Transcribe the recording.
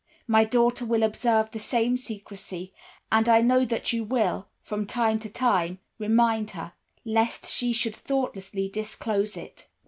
My daughter will observe the same secrecy, and I well know that you will, from time to time, remind her, lest she should thoughtlessly disclose it.